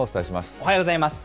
おはようございます。